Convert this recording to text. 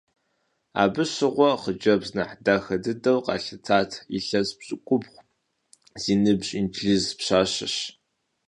Абы щыгъуэ хъыджэбз нэхъ дахэ дыдэу къалъытар илъэс пщыкӏубгъу зи ныбжь инджылыз пщащэщ.